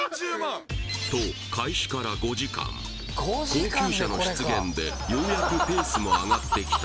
高級車の出現でようやくペースも上がってきた